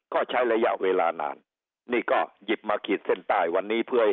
ก็ใช้ระยะเวลานานนี่ก็หยิบมาขีดเส้นใต้วันนี้เพื่อให้